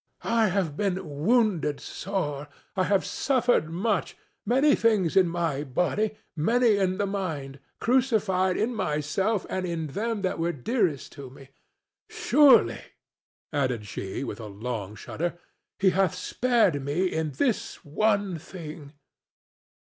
"I have been wounded sore; I have suffered much—many things in the body, many in the mind; crucified in myself and in them that were dearest to me. Surely," added she, with a long shudder, "he hath spared me in this one thing."